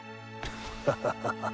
ハハハ。